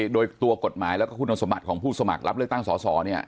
โดยตัวกฎหมายแล้วก็คุณสมบัติของผู้สมัครรับเลือกตั้งสอสอ